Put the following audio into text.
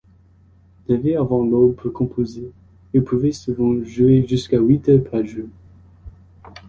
Levé avant l'aube pour composer, il pouvait souvent jouer jusqu'à huit heures par jours.